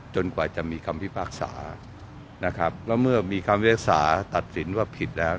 กว่าจะมีคำพิพากษานะครับแล้วเมื่อมีคำพิพากษาตัดสินว่าผิดแล้ว